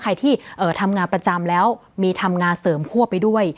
ใครที่ทำงานประจำแล้วมีทำงานเสริมคั่วไปด้วย